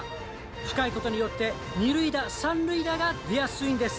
深いことによって、２塁打、３塁打が出やすいんです。